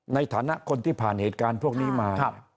ในฐานะคนที่ผ่านเหตุการณ์พวกนี้มา